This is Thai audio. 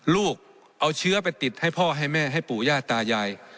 ลูกเอาเชื้อไปติดให้พ่อให้แม่ให้ปู่ย่าตายาย